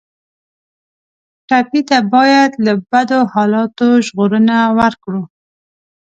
ټپي ته باید له بدو حالاتو ژغورنه ورکړو.